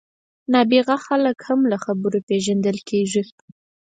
نابغه خلک هم له خبرو پېژندل کېږي.